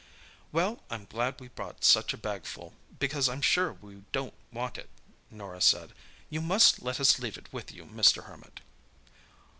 "Well, I'm glad we brought such a bagful, because I'm sure we don't want it," Norah said. "You must let us leave it with you, Mr. Hermit."